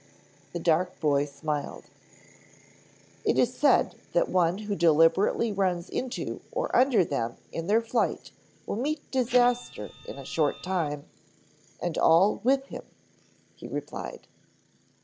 The dark boy smiled. "It is said that one who deliberately runs into or under them in their flight will meet disaster in a short time, and all with him," he replied.